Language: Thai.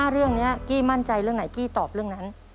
เรื่องนี้กี้มั่นใจเรื่องไหนกี้ตอบเรื่องนั้น